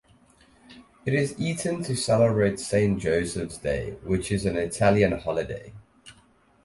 It is eaten to celebrate Saint Joseph's Day, which is an Italian holiday.